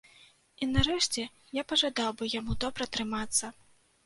І нарэшце, я пажадаў бы яму добра трымацца.